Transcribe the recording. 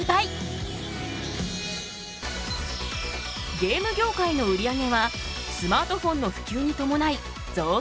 ゲーム業界の売り上げはスマートフォンの普及にともない増加傾向。